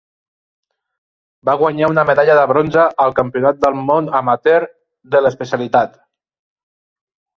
Va guanyar una medalla de bronze al Campionat del món amateur de l'especialitat.